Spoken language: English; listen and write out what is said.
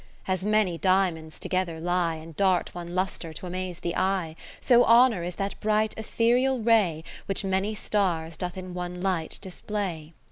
As many diamonds together lie. And dart one lustre to amaze the eye : 30 So Honour is that bright aetherial ray Which many stars doth in one light display.